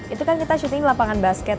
itu kan kita syuting lapangan basket